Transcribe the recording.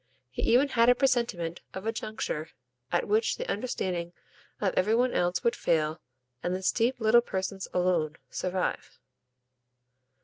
He even had a presentiment of a juncture at which the understanding of every one else would fail and this deep little person's alone survive.